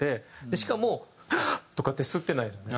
しかもハーッ！とかって吸ってないんですよね。